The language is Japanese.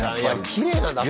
きれいだな。